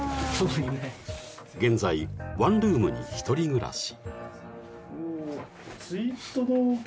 ［現在ワンルームに１人暮らし］